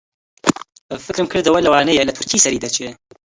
فکرم کردەوە لەوانەیە لە تورکی سەری دەرچێ